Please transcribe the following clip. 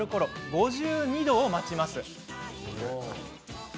５２度を待ちます。